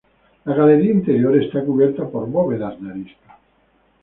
La galería interior está cubierta por bóvedas de arista.